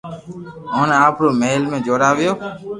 اوني آپرو مھل جوراويو